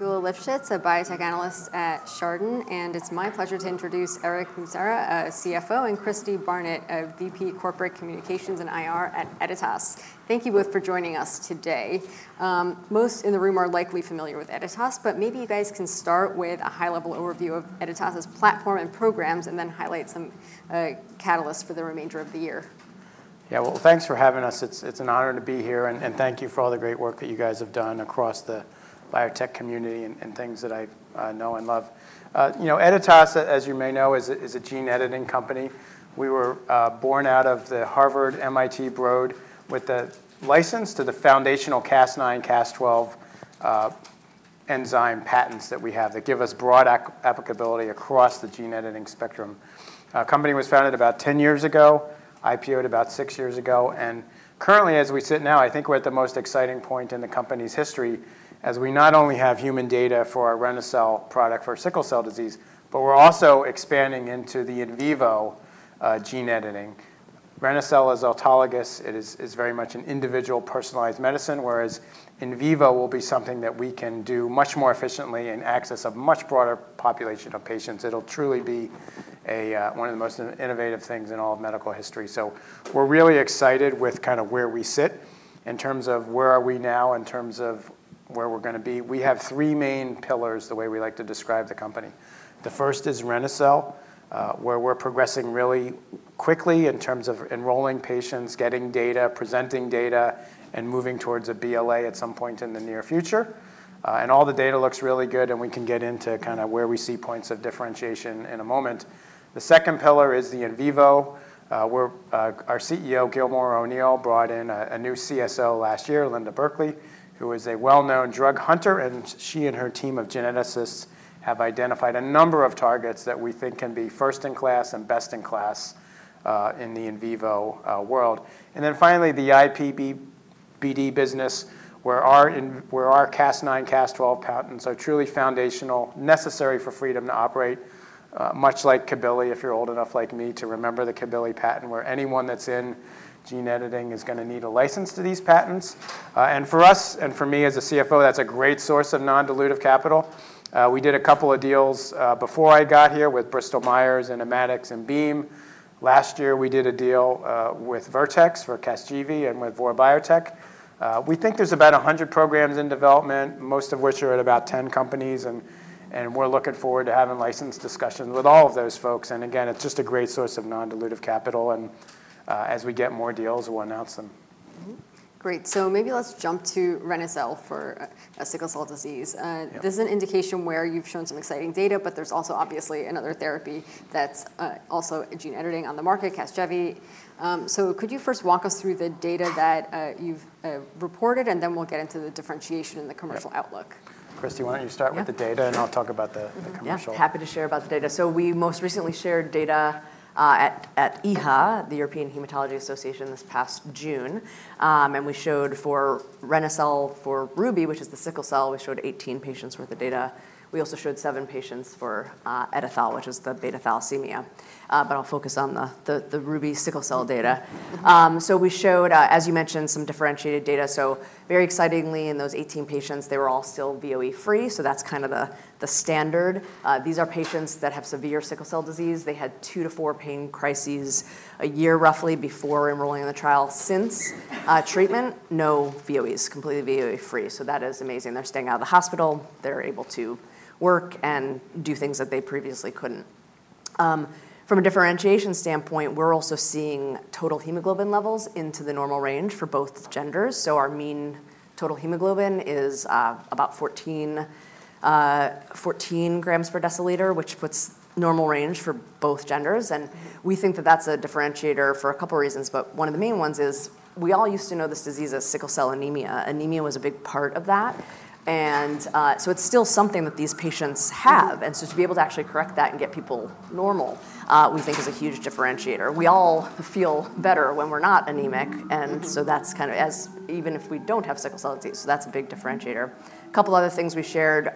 Geulah Livshits, a biotech analyst at Chardan, and it's my pleasure to introduce Erick Lucera, our CFO, and Cristi Barnett, our VP Corporate Communications and IR at Editas. Thank you both for joining us today. Most in the room are likely familiar with Editas, but maybe you guys can start with a high-level overview of Editas's platform and programs, and then highlight some catalysts for the remainder of the year. Yeah, well, thanks for having us. It's an honor to be here, and thank you for all the great work that you guys have done across the biotech community and things that I know and love. You know, Editas, as you may know, is a gene editing company. We were born out of the Harvard-MIT Broad with the license to the foundational Cas9, Cas12 enzyme patents that we have, that give us broad applicability across the gene editing spectrum. Our company was founded about 10 years ago, IPO'd about six years ago, and currently, as we sit now, I think we're at the most exciting point in the company's history, as we not only have human data for our reni-cel product for sickle cell disease, but we're also expanding into the in vivo gene editing reni-cel is autologous. It is very much an individual personalized medicine, whereas in vivo will be something that we can do much more efficiently and access a much broader population of patients. It'll truly be a one of the most innovative things in all of medical history. So we're really excited with kind of where we sit in terms of where are we now, in terms of where we're going to be. We have three main pillars, the way we like to describe the company. The first is reni-cel, where we're progressing really quickly in terms of enrolling patients, getting data, presenting data, and moving towards a BLA at some point in the near future, and all the data looks really good, and we can get into kind of where we see points of differentiation in a moment. The second pillar is the in vivo, where our CEO, Gilmore O'Neill, brought in a new CSL last year, Linda Burkly, who is a well-known drug hunter, and she and her team of geneticists have identified a number of targets that we think can be first-in-class and best-in-class, in the in vivo world. And then finally, the IP/BD business, where our Cas9, Cas12 patents are truly foundational, necessary for freedom to operate, much like Cabilly, if you're old enough like me, to remember the Cabilly patent, where anyone that's in gene editing is going to need a license to these patents. And for us, and for me as a CFO, that's a great source of non-dilutive capital. We did a couple of deals before I got here with Bristol Myers and Immatics and Beam. Last year, we did a deal with Vertex for Casgevy and with Vor Bio. We think there's about 100 programs in development, most of which are at about 10 companies, and we're looking forward to having license discussions with all of those folks. And again, it's just a great source of non-dilutive capital, and as we get more deals, we'll announce them. Mm-hmm. Great. So maybe let's jump to reni-cel for sickle cell disease. Yeah. This is an indication where you've shown some exciting data, but there's also, obviously, another therapy that's also in gene editing on the market, Casgevy. So could you first walk us through the data that you've reported, and then we'll get into the differentiation and the commercial outlook? Cristi, why don't you start with the data- Yeah. And I'll talk about the commercial. Mm-hmm, yeah. Happy to share about the data. So we most recently shared data at EHA, the European Hematology Association, this past June. And we showed for reni-cel, for Ruby, which is the sickle cell, we showed 18 patients worth of data. We also showed seven patients for EdiTHAL, which is the beta thalassemia. But I'll focus on the Ruby sickle cell data. So we showed, as you mentioned, some differentiated data. So very excitingly, in those 18 patients, they were all still VOE-free, so that's kind of the standard. These are patients that have severe sickle cell disease. They had two to four pain crises a year, roughly, before enrolling in the trial. Since treatment, no VOEs, completely VOE-free. So that is amazing. They're staying out of the hospital, they're able to work and do things that they previously couldn't. From a differentiation standpoint, we're also seeing total hemoglobin levels into the normal range for both genders. So our mean total hemoglobin is about 14 grams per deciliter, which puts normal range for both genders, and we think that that's a differentiator for a couple of reasons. But one of the main ones is, we all used to know this disease as sickle cell anemia. Anemia was a big part of that, and so it's still something that these patients have. Mm-hmm. And so to be able to actually correct that and get people normal, we think is a huge differentiator. We all feel better when we're not anemic. Mm-hmm, mm-hmm... and so that's kind of as even if we don't have sickle cell disease, so that's a big differentiator. A couple other things we shared,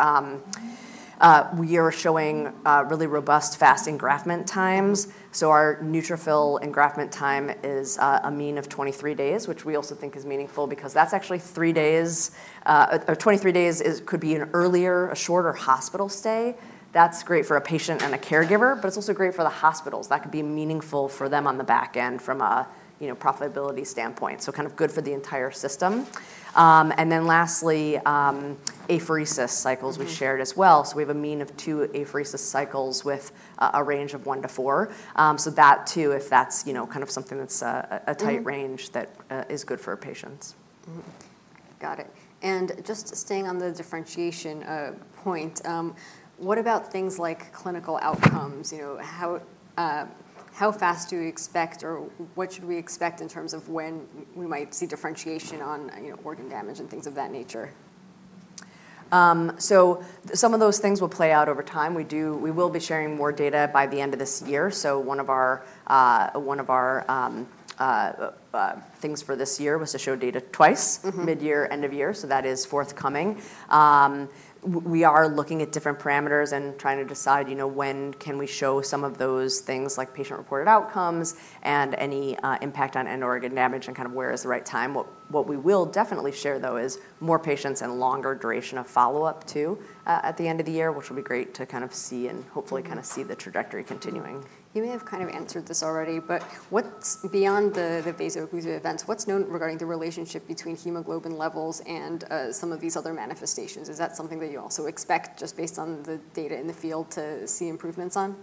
we are showing really robust, fast engraftment times. Mm-hmm. So our neutrophil engraftment time is a mean of 23 days, which we also think is meaningful because that's actually three days or 23 days is, could be an earlier, a shorter hospital stay. That's great for a patient and a caregiver, but it's also great for the hospitals. That could be meaningful for them on the back end from a, you know, profitability standpoint. So kind of good for the entire system. And then lastly, apheresis cycles- Mm-hmm We shared as well. So we have a mean of two apheresis cycles with a range of one to four. So that, too, if that's, you know, kind of something that's a tight range- Mm-hmm That is good for our patients. Mm-hmm. Got it. And just staying on the differentiation point, what about things like clinical outcomes? You know, how fast do we expect, or what should we expect in terms of when we might see differentiation on, you know, organ damage and things of that nature? So some of those things will play out over time. We will be sharing more data by the end of this year. So one of our things for this year was to show data twice. Mm-hmm. Midyear, end of year, so that is forthcoming. We are looking at different parameters and trying to decide, you know, when can we show some of those things, like patient-reported outcomes and any impact on end organ damage, and kind of where is the right time? What we will definitely share, though, is more patients and longer duration of follow-up, too, at the end of the year, which will be great to kind of see and hopefully kind of see the trajectory continuing. You may have kind of answered this already, but what's beyond the vaso-occlusive events, what's known regarding the relationship between hemoglobin levels and some of these other manifestations? Is that something that you also expect, just based on the data in the field, to see improvements on?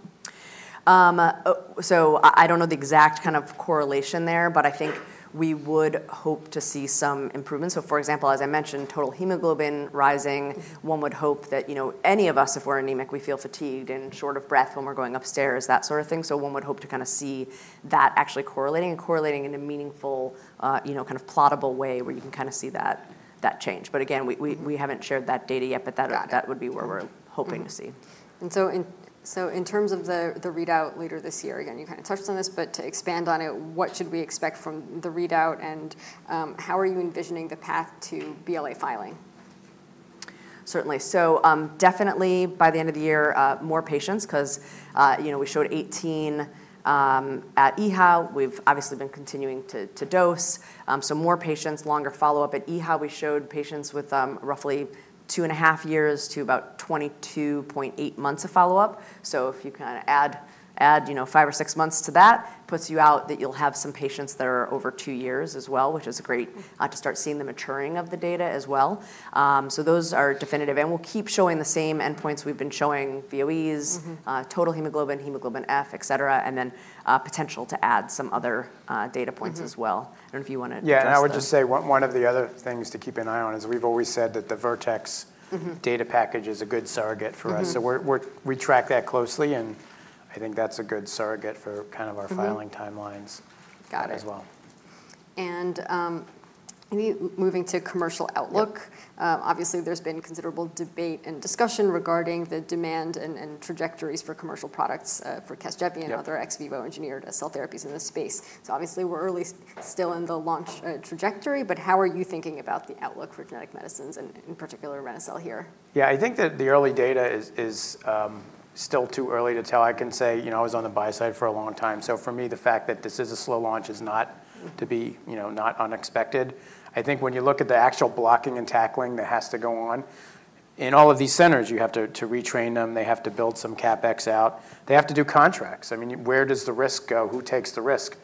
So I don't know the exact kind of correlation there, but I think we would hope to see some improvements. So, for example, as I mentioned, total hemoglobin rising, one would hope that, you know, any of us, if we're anemic, we feel fatigued and short of breath when we're going upstairs, that sort of thing. So one would hope to kind of see that actually correlating in a meaningful, you know, kind of plottable way, where you can kind of see that change. But again, we haven't shared that data yet, but that. Got it. That would be where we're hoping to see. Mm-hmm. And so in terms of the readout later this year, again, you kind of touched on this, but to expand on it, what should we expect from the readout, and how are you envisioning the path to BLA filing? Certainly. So, definitely by the end of the year, more patients, 'cause, you know, we showed 18 at EHA. We've obviously been continuing to dose, so more patients, longer follow-up. At EHA, we showed patients with roughly two and a half years to about 22.8 months of follow-up. So if you kind of add, you know, five or six months to that, puts you out that you'll have some patients that are over two years as well, which is great, to start seeing the maturing of the data as well. So those are definitive, and we'll keep showing the same endpoints we've been showing, VOEs. Mm-hmm Total hemoglobin, Hemoglobin F, et cetera, and then, potential to add some other data points as well. Mm-hmm. I don't know if you want to address that. Yeah, and I would just say one of the other things to keep an eye on is we've always said that the Vertex- Mm-hmm Data package is a good surrogate for us. Mm-hmm. We're tracking that closely, and I think that's a good surrogate for kind of our filing. Mm-hmm Timelines- Got it As well. Moving to commercial outlook- Yep Obviously, there's been considerable debate and discussion regarding the demand and trajectories for commercial products for Casgevy- Yep And other ex vivo engineered cell therapies in this space. So obviously, we're early still in the launch trajectory, but how are you thinking about the outlook for genetic medicines and, in particular, reni-cel here? Yeah, I think that the early data is still too early to tell. I can say, you know, I was on the buy side for a long time, so for me, the fact that this is a slow launch is not to be, you know, not unexpected. I think when you look at the actual blocking and tackling that has to go on in all of these centers, you have to retrain them. They have to build some CapEx out. They have to do contracts. I mean, where does the risk go? Who takes the risk?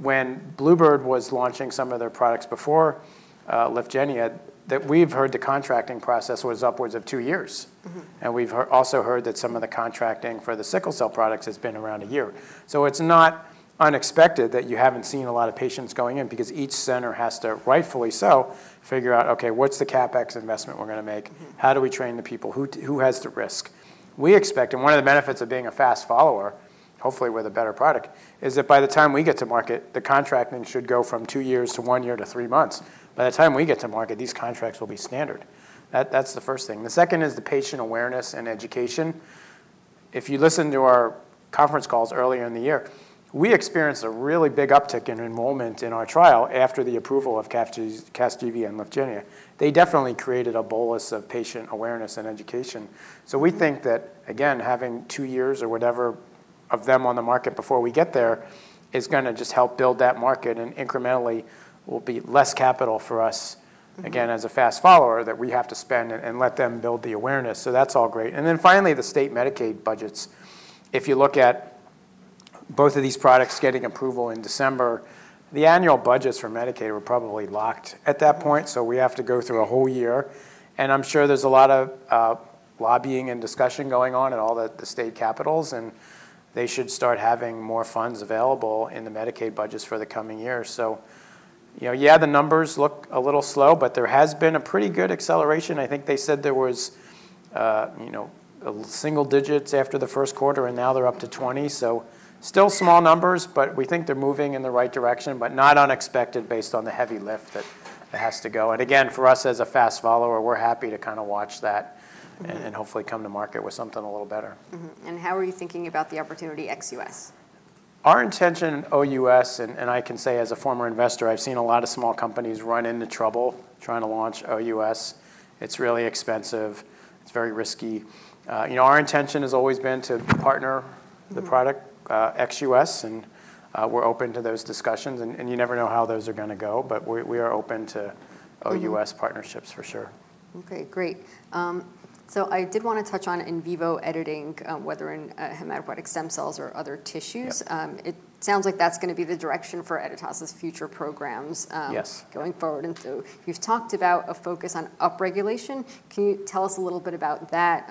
When Bluebird was launching some of their products before Lyfgenia, that we've heard the contracting process was upwards of two years. Mm-hmm. And we've also heard that some of the contracting for the sickle cell products has been around a year. So it's not unexpected that you haven't seen a lot of patients going in, because each center has to, rightfully so, figure out, okay, what's the CapEx investment we're going to make? Mm-hmm. How do we train the people? Who has the risk? We expect, and one of the benefits of being a fast follower, hopefully with a better product, is that by the time we get to market, the contracting should go from two years to one year to three months. By the time we get to market, these contracts will be standard. That, that's the first thing. The second is the patient awareness and education. If you listen to our conference calls earlier in the year, we experienced a really big uptick in enrollment in our trial after the approval of Casgevy and Lyfgenia. They definitely created a bolus of patient awareness and education. So we think that, again, having two years or whatever of them on the market before we get there is gonna just help build that market and incrementally will be less capital for us. Mm-hmm Again, as a fast follower, that we have to spend and let them build the awareness. So that's all great. And then finally, the state Medicaid budgets. If you look at both of these products getting approval in December, the annual budgets for Medicaid were probably locked at that point, so we have to go through a whole year, and I'm sure there's a lot of lobbying and discussion going on in all the state capitals, and they should start having more funds available in the Medicaid budgets for the coming years. So you know, yeah, the numbers look a little slow, but there has been a pretty good acceleration. I think they said there was, you know, single digits after the first quarter, and now they're up to 20, so still small numbers, but we think they're moving in the right direction, but not unexpected, based on the heavy lift that has to go. And again, for us as a fast follower, we're happy to kind of watch that- Mm-hmm and hopefully come to market with something a little better. Mm-hmm, and how are you thinking about the opportunity ex US? Our intention, OUS, and I can say as a former investor, I've seen a lot of small companies run into trouble trying to launch OUS. It's really expensive. It's very risky. You know, our intention has always been to partner the product- Mm-hmm... ex-U.S., and we're open to those discussions, and you never know how those are gonna go, but we are open to- Mm-hmm Our U.S. partnerships for sure. Okay, great. So I did want to touch on in vivo editing, whether in hematopoietic stem cells or other tissues. Yep. It sounds like that's going to be the direction for Editas' future programs. Yes... going forward, and so you've talked about a focus on upregulation. Can you tell us a little bit about that,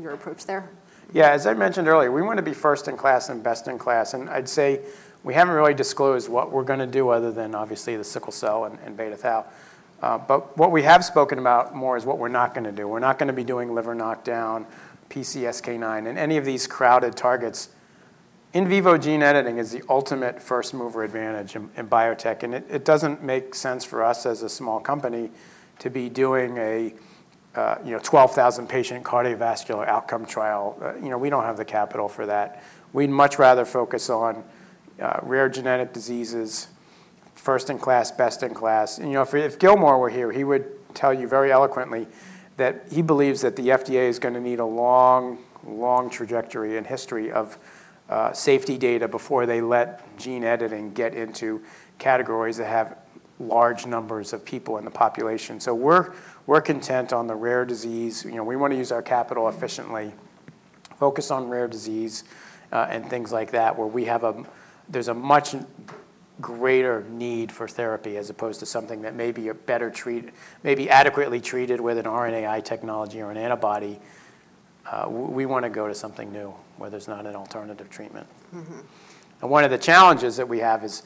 your approach there? Yeah, as I mentioned earlier, we want to be first in class and best in class, and I'd say we haven't really disclosed what we're gonna do other than, obviously, the sickle cell and beta thal. But what we have spoken about more is what we're not gonna do. We're not gonna be doing liver knockdown, PCSK9, and any of these crowded targets. In vivo gene editing is the ultimate first mover advantage in biotech, and it doesn't make sense for us as a small company to be doing a, you know, twelve thousand patient cardiovascular outcome trial. You know, we don't have the capital for that. We'd much rather focus on rare genetic diseases, first-in-class, best-in-class. And, you know, if Gilmore were here, he would tell you very eloquently that he believes that the FDA is gonna need a long, long trajectory and history of safety data before they let gene editing get into categories that have large numbers of people in the population. So we're content on the rare disease. You know, we wanna use our capital efficiently, focus on rare disease, and things like that, where there's a much greater need for therapy, as opposed to something that may be adequately treated with an RNAi technology or an antibody. We wanna go to something new, where there's not an alternative treatment. Mm-hmm. One of the challenges that we have is,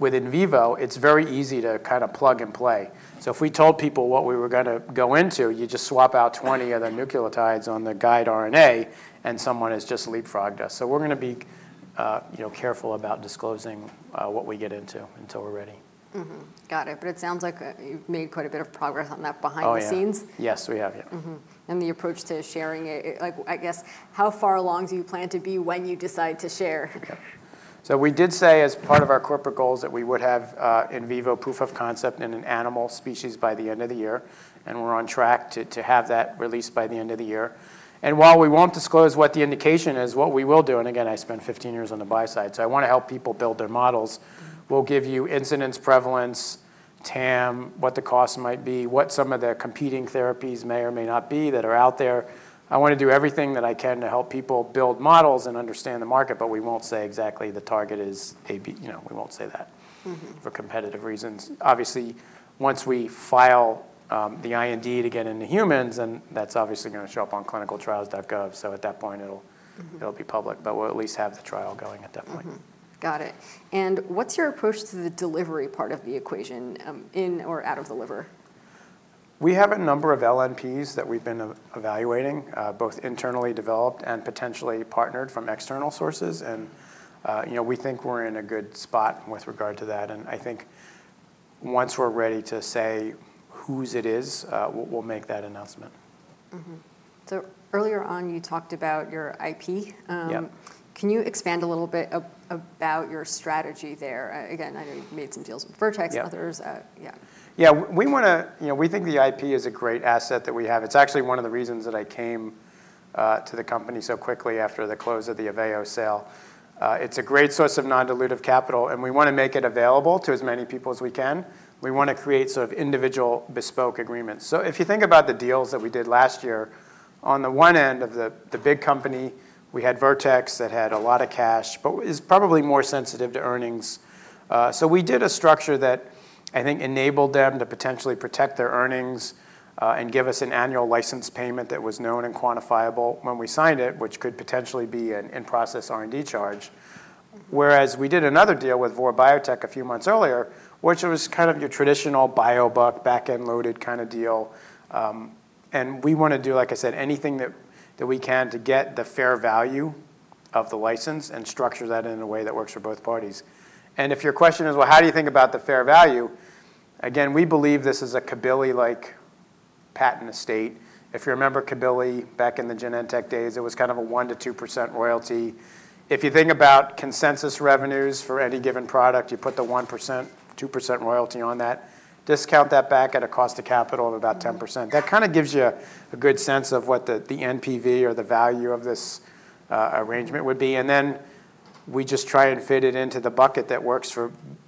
with in vivo, it's very easy to kind of plug and play. So if we told people what we were gonna go into, you just swap out 20 of the nucleotides on the guide RNA, and someone has just leapfrogged us. So we're gonna be, you know, careful about disclosing what we get into until we're ready. Mm-hmm. Got it, but it sounds like, you've made quite a bit of progress on that behind the scenes? Oh, yeah. Yes, we have. Yeah. Mm-hmm. And the approach to sharing it... Like, I guess, how far along do you plan to be when you decide to share? So we did say as part of our corporate goals that we would have in vivo proof of concept in an animal species by the end of the year, and we're on track to have that released by the end of the year. And while we won't disclose what the indication is, what we will do, and again, I spent fifteen years on the buy side, so I wanna help people build their models, we'll give you incidence, prevalence, TAM, what the cost might be, what some of the competing therapies may or may not be that are out there. I wanna do everything that I can to help people build models and understand the market, but we won't say exactly the target is AB. You know, we won't say that. Mm-hmm For competitive reasons. Obviously, once we file, the IND to get into humans, then that's obviously gonna show up on ClinicalTrials.gov, so at that point, it'll- Mm-hmm It'll be public, but we'll at least have the trial going at that point. Mm-hmm. Got it. And what's your approach to the delivery part of the equation, in or out of the liver? We have a number of LNPs that we've been evaluating, both internally developed and potentially partnered from external sources, and you know, we think we're in a good spot with regard to that, and I think once we're ready to say whose it is, we'll make that announcement. Mm-hmm. So earlier on, you talked about your IP. Yeah. Can you expand a little bit about your strategy there? Again, I know you've made some deals with Vertex- Yeah And others, yeah. Yeah, we wanna. You know, we think the IP is a great asset that we have. It's actually one of the reasons that I came to the company so quickly after the close of the AVEO sale. It's a great source of non-dilutive capital, and we wanna make it available to as many people as we can. We wanna create sort of individual bespoke agreements. So if you think about the deals that we did last year, on the one end of the big company, we had Vertex that had a lot of cash but is probably more sensitive to earnings. So we did a structure that I think enabled them to potentially protect their earnings and give us an annual license payment that was known and quantifiable when we signed it, which could potentially be an in-process R&D charge. Whereas we did another deal with Vor Bio a few months earlier, which was kind of your traditional biobuck, back-end loaded kind of deal. And we wanna do, like I said, anything that we can to get the fair value of the license and structure that in a way that works for both parties. And if your question is, "Well, how do you think about the fair value?" Again, we believe this is a Cabilly-like patent estate. If you remember Cabilly back in the Genentech days, it was kind of a 1%-2% royalty. If you think about consensus revenues for any given product, you put the 1%, 2% royalty on that, discount that back at a cost to capital of about 10%. Mm-hmm. That kind of gives you a good sense of what the NPV or the value of this arrangement would be, and then we just try and fit it into the bucket that works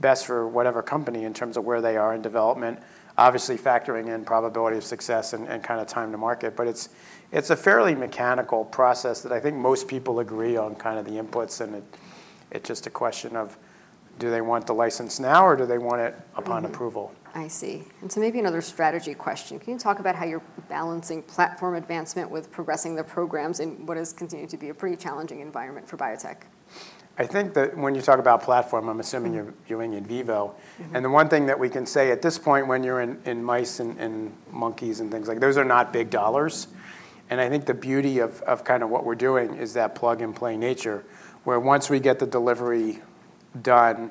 best for whatever company in terms of where they are in development, obviously factoring in probability of success and kind of time to market. But it's a fairly mechanical process that I think most people agree on kind of the inputs, and it's just a question of, do they want the license now, or do they want it upon approval? Mm-hmm. I see. And so maybe another strategy question: Can you talk about how you're balancing platform advancement with progressing the programs in what has continued to be a pretty challenging environment for biotech? I think that when you talk about platform, I'm assuming- Mm You're viewing in vivo. Mm-hmm. And the one thing that we can say at this point, when you're in mice and monkeys and things like those are not big dollars. And I think the beauty of kind of what we're doing is that plug-and-play nature, where once we get the delivery done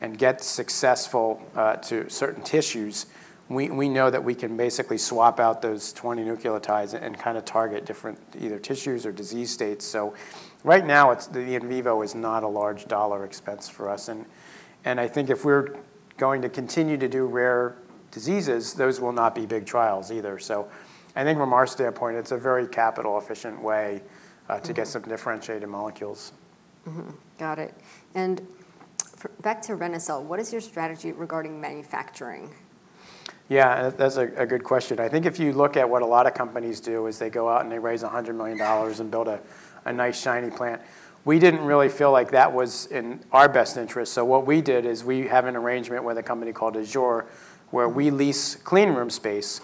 and get successful to certain tissues, we know that we can basically swap out those 20 nucleotides and kind of target different either tissues or disease states. So right now, it's the in vivo is not a large dollar expense for us. And I think if we're going to continue to do rare diseases, those will not be big trials either. So I think from our standpoint, it's a very capital-efficient way. Mm-hmm To get some differentiated molecules. Mm-hmm. Got it. And back to reni-cel, what is your strategy regarding manufacturing? Yeah, that's a good question. I think if you look at what a lot of companies do, is they go out, and they raise $100 million and build a nice, shiny plant. We didn't really feel like that was in our best interest, so what we did is we have an arrangement with a company called Azzur, where we lease clean room space...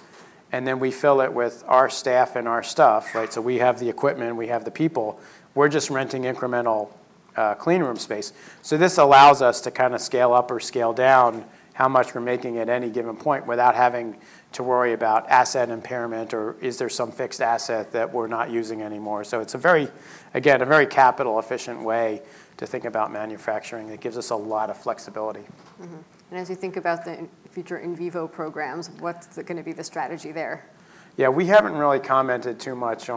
and then we fill it with our staff and our stuff, right? So we have the equipment, and we have the people. We're just renting incremental clean room space. So this allows us to kind of scale up or scale down how much we're making at any given point without having to worry about asset impairment, or is there some fixed asset that we're not using anymore? So it's a very, again, a very capital-efficient way to think about manufacturing that gives us a lot of flexibility. Mm-hmm. And as you think about the future in vivo programs, what's gonna be the strategy there? Yeah, we haven't really commented too much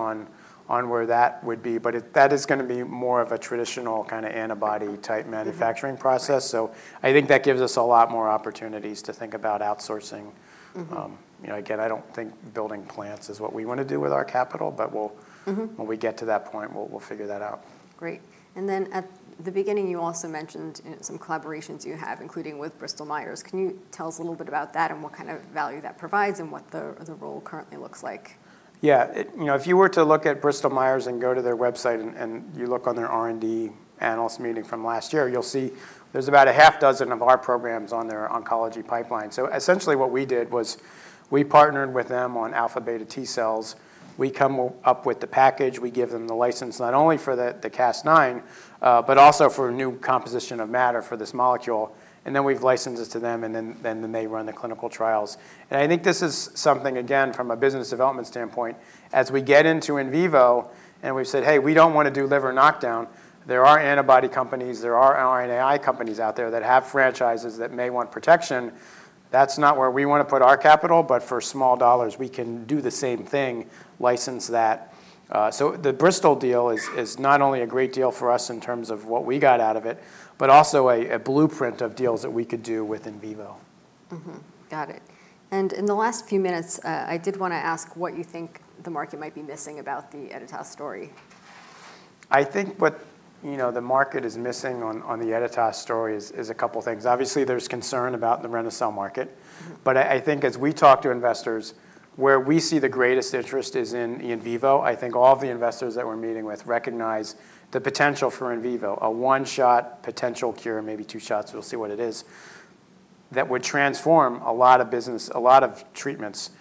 on where that would be, but that is gonna be more of a traditional kind of antibody-type manufacturing process. So I think that gives us a lot more opportunities to think about outsourcing. Mm-hmm. You know, again, I don't think building plants is what we want to do with our capital, but we'll- Mm-hmm When we get to that point, we'll figure that out. Great. And then at the beginning, you also mentioned some collaborations you have, including with Bristol Myers. Can you tell us a little bit about that and what kind of value that provides and what the role currently looks like? Yeah, it, you know, if you were to look at Bristol Myers and go to their website and, and you look on their R&D analyst meeting from last year, you'll see there's about a half dozen of our programs on their oncology pipeline. So essentially, what we did was we partnered with them on alpha-beta T cells. We come up with the package, we give them the license, not only for the Cas9, but also for a new composition of matter for this molecule. And then we've licensed it to them, and then they run the clinical trials. And I think this is something, again, from a business development standpoint, as we get into in vivo, and we've said, "Hey, we don't want to do liver knockdown," there are antibody companies, there are RNAi companies out there that have franchises that may want protection. That's not where we want to put our capital, but for small dollars, we can do the same thing, license that. So the Bristol deal is not only a great deal for us in terms of what we got out of it, but also a blueprint of deals that we could do with in vivo. Mm-hmm. Got it. And in the last few minutes, I did want to ask what you think the market might be missing about the Editas story. I think what, you know, the market is missing on the Editas story is a couple of things. Obviously, there's concern about the reni-cel market- Mm-hmm But I think as we talk to investors, where we see the greatest interest is in vivo. I think all of the investors that we're meeting with recognize the potential for in vivo, a one-shot potential cure, maybe two shots, we'll see what it is, that would transform a lot of business, a lot of treatments.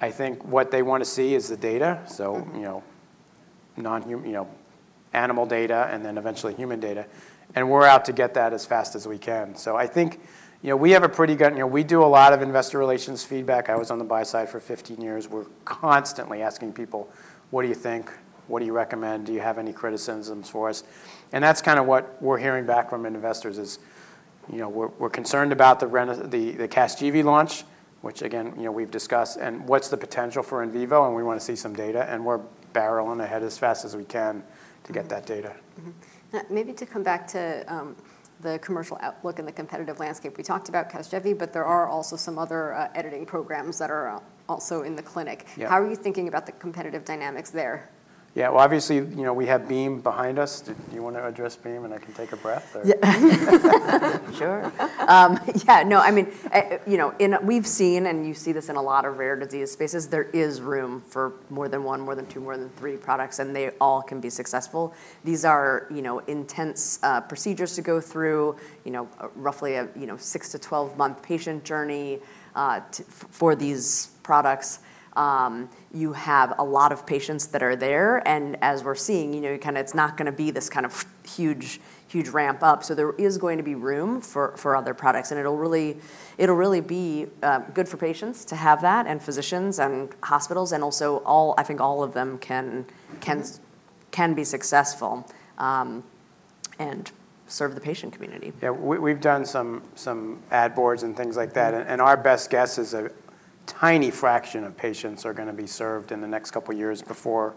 I think what they want to see is the data. Mm-hmm. So, you know, non-human, you know, animal data and then eventually human data, and we're out to get that as fast as we can. So I think, you know, we have a pretty good. You know, we do a lot of investor relations feedback. I was on the buy side for fifteen years. We're constantly asking people, "What do you think? What do you recommend? Do you have any criticisms for us?" And that's kind of what we're hearing back from investors is, you know, "We're concerned about the Casgevy launch," which, again, you know, we've discussed, and, "What's the potential for in vivo? And we want to see some data," and we're barreling ahead as fast as we can to get that data. Mm-hmm. Maybe to come back to the commercial outlook and the competitive landscape. We talked about Casgevy, but there are also some other editing programs that are also in the clinic. Yeah. How are you thinking about the competitive dynamics there? Yeah, well, obviously, you know, we have Beam behind us. Do you want to address Beam, and I can take a breath there? Yeah, sure. Yeah, no, I mean, you know, and we've seen, and you see this in a lot of rare disease spaces, there is room for more than one, more than two, more than three products, and they all can be successful. These are, you know, intense procedures to go through, you know, roughly a six to 12-month patient journey for these products. You have a lot of patients that are there, and as we're seeing, you know, kind of it's not gonna be this kind of huge, huge ramp-up, so there is going to be room for other products, and it'll really, it'll really be good for patients to have that, and physicians, and hospitals, and also I think all of them can be successful, and serve the patient community. Yeah, we've done some ad boards and things like that. Mm-hmm And our best guess is a tiny fraction of patients are gonna be served in the next couple of years before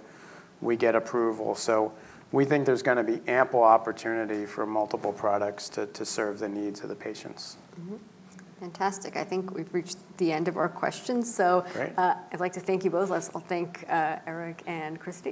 we get approval. So we think there's gonna be ample opportunity for multiple products to serve the needs of the patients. Mm-hmm. Fantastic. I think we've reached the end of our questions, so- Great I'd like to thank you both. Let's all thank Eric and Cristi.